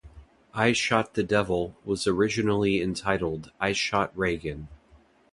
"I Shot the Devil" was originally entitled "I Shot Reagan".